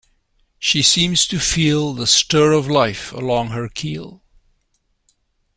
She seems to feel The stir of life along her keel.